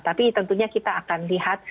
tapi tentunya kita akan lihat